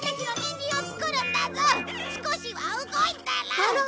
少しは動いたら。